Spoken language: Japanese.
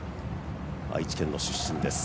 愛知県の出身です。